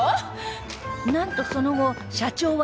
なんとその後社長は夜逃げ！